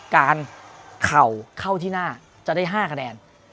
เข่าเข้าที่หน้าจะได้๕คะแนน